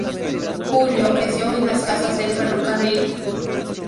Julio creció en las casas del ferrocarril num.